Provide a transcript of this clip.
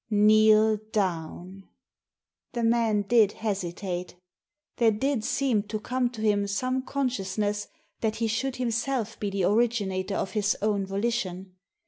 "Kneel down." The man did hesitate. There did seem to come to him some consciousness that he should himself be the originator of his own volition.